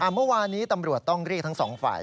เมื่อวานี้ตำรวจต้องเรียกทั้งสองฝ่าย